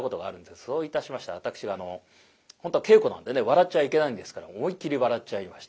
そういたしましたら私が本当は稽古なんでね笑っちゃいけないんですが思いっきり笑っちゃいまして。